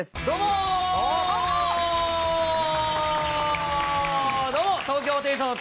どうもー！